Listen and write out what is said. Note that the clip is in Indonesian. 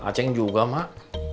aceh juga mak